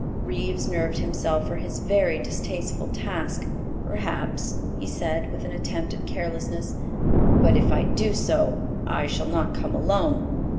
Reeves nerved himself for his very distasteful task. "Perhaps," he said, with an attempt at carelessness, "but if I do so, I shall not come alone.